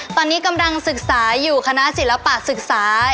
ตอนนี้กำลังศึกษาอยู่คณะศิลปะศึกษา